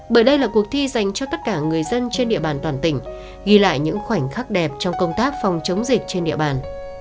bởi đây là cuộc thi dành cho tất cả người dân trên địa bàn toàn tỉnh ghi lại những khoảnh khắc đẹp trong công tác phòng chống dịch trên địa bàn